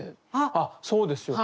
あっそうですよ。